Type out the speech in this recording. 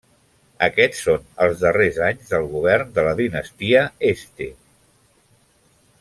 Aquests són els darrers anys del Govern de la Dinastia Este.